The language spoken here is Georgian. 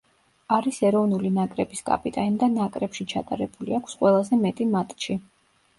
არის ეროვნული ნაკრების კაპიტანი და ნაკრებში ჩატარებული აქვს ყველაზე მეტი მატჩი.